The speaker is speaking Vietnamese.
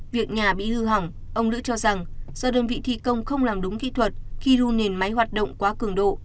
việc nhà bị hư hỏng ông lữ cho rằng do đơn vị thi công không làm đúng kỹ thuật khi ru nền máy hoạt động quá cường độ